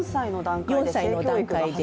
４歳の段階で。